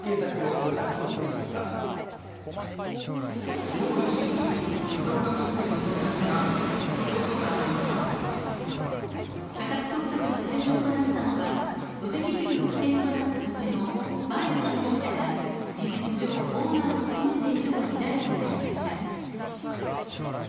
家宅捜索の対象となったのは、土石流の起点となった土地の前の所有者が、事実上、オーナーを務めているとみられている会社。